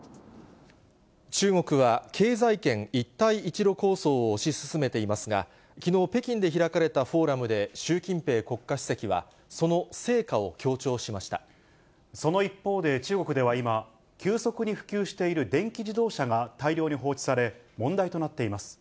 中国は経済圏一帯一路構想を推し進めていますが、きのう、北京で開かれたフォーラムで習近平国家主席は、その成果を強調しその一方で、中国では今、急速に普及している電気自動車が大量に放置され、問題となっています。